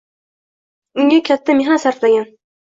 Unga katta mehnat sarflangan.